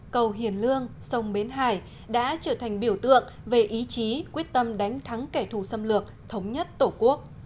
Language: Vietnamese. cầu hiền lương sông bến hải đã trở thành biểu tượng về ý chí quyết tâm đánh thắng kẻ thù xâm lược thống nhất tổ quốc